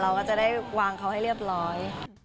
เราก็จะได้วางเขาให้เรียบร้อย